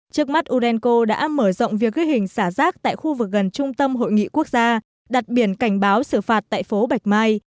trước mắt urenco đã mở rộng việc ghi hình xả rác tại khu vực gần trung tâm hội nghị quốc gia đặt biển cảnh báo xử phạt tại phố bạch mai